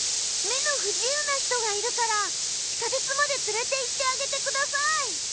目の不自由な人がいるから地下鉄までつれていってあげてください。